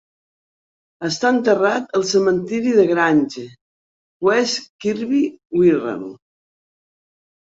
Està enterrat al cementiri Grange, West Kirby, Wirral.